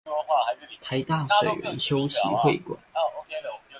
臺大水源修齊會館